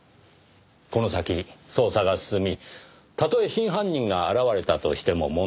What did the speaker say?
この先捜査が進みたとえ真犯人が現れたとしても問題はない。